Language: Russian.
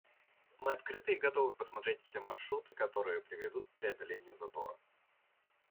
Мы открыты и готовы посмотреть все маршруты, которые приведут к преодолению затора.